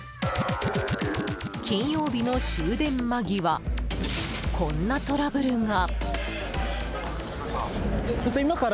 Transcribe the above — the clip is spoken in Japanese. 金曜日の終電間際こんなトラブルが。